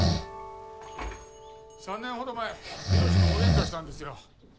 ３年ほど前洋と大ゲンカしたんですよ